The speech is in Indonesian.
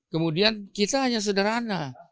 kemudian kita hanya sederhana